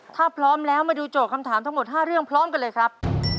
ถ้าพร้อมแล้วมาดูโจทย์คำถามทั้งหมด๕เรื่องพร้อมกันเลยครับ